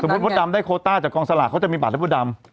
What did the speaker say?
มุติมดดำได้โคต้าจากกองสลากเขาจะมีบัตรให้มดดำ